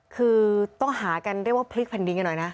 คือต้องหากันเรียกว่าพลิกแผ่นดินกันหน่อยนะ